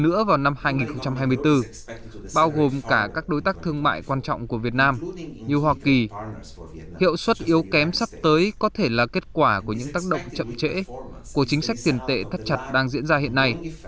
nửa vào năm hai nghìn hai mươi bốn bao gồm cả các đối tác thương mại quan trọng của việt nam như hoa kỳ hiệu suất yếu kém sắp tới có thể là kết quả của những tác động chậm trễ của chính sách tiền tệ thắt chặt đang diễn ra hiện nay